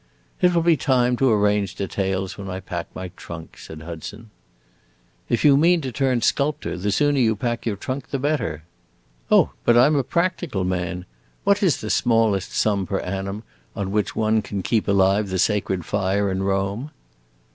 "It will be time to arrange details when I pack my trunk," said Hudson. "If you mean to turn sculptor, the sooner you pack your trunk the better." "Oh, but I 'm a practical man! What is the smallest sum per annum, on which one can keep alive the sacred fire in Rome?"